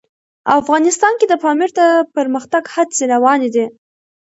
افغانستان کې د پامیر د پرمختګ هڅې روانې دي.